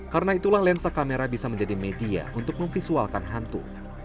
karena itulah lensa kamera bisa menjadi media untuk memvisualkan hantu